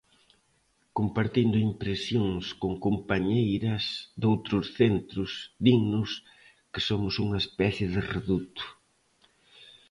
Compartindo impresións con compañeiras doutros centros, dinnos que somos unha especie de reduto.